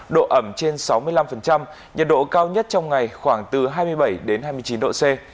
độ ẩm trên sáu mươi năm nhiệt độ cao nhất trong ngày khoảng từ hai mươi bảy đến hai mươi chín độ c